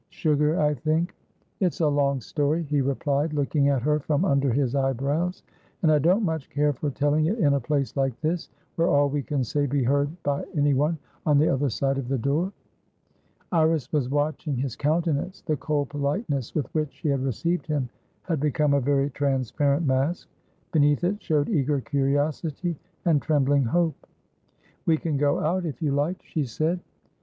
Sugar, I think?" "It's a long story," he replied, looking at her from under his eyebrows, "and I don't much care for telling it in a place like this, where all we say can be heard by anyone on the other side of the door." Iris was watching his countenance. The cold politeness with which she had received him had become a very transparent mask; beneath it showed eager curiosity and trembling hope. "We can go out, if you like," she said.